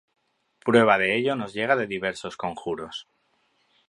Prueba de ello nos llega de diversos conjuros.